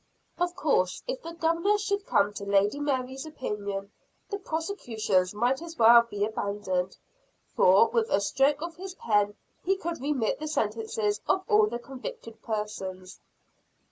Of course if the Governor should come to Lady Mary's opinion, the prosecution might as well be abandoned for, with a stroke of his pen, he could remit the sentences of all the convicted persons.